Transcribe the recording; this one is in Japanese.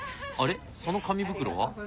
あれその紙袋は？